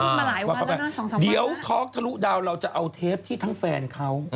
มาหลายวันแล้วน่ะ๒๓วันแล้วเดี๋ยวทอล์คทะลุดาวเราจะเอาเทปที่ทั้งแฟนเขา